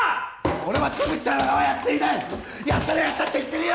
俺は都築さんをやっていないやったらやったって言ってるよ！